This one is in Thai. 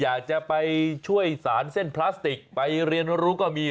อยากจะไปช่วยสารเส้นพลาสติกไปเรียนรู้ก็มี